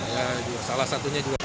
ya salah satunya juga